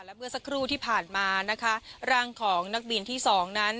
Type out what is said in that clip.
เมื่อสักครู่ที่ผ่านมานะคะร่างของนักบินที่สองนั้น